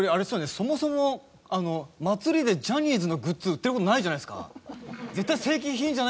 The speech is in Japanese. そもそも祭りでジャニーズのグッズ売ってる事ないじゃないですか。